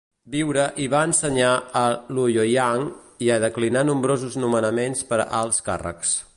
Viure i va ensenyar a Luoyang, i va declinar nombrosos nomenaments per a alts càrrecs.